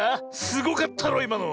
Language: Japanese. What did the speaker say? すごかったろいまの。